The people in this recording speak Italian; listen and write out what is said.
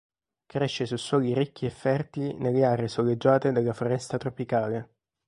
Cresce su suoli ricchi e fertili nelle aree soleggiate della foresta tropicale.